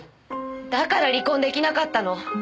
だから離婚出来なかったの。